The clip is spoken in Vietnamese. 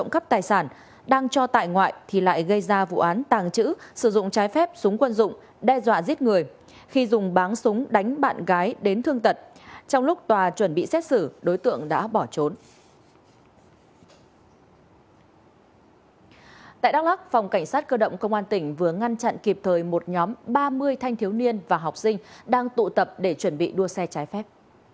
cảnh sát cơ động công an tỉnh vừa ngăn chặn kịp thời một nhóm ba mươi thanh thiếu niên và học sinh đang tụ tập để chuẩn bị đua xe trái phép